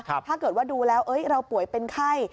ถ้าเกิดว่าดูแล้วเราป่วยเป็นไข้